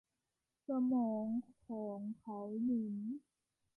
สมองของเขาหมุน